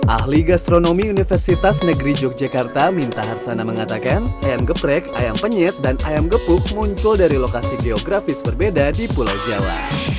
ahli gastronomi universitas negeri yogyakarta minta harsana mengatakan ayam geprek ayam penyit dan ayam gepuk muncul dari lokasi geografis berbeda di pulau jawa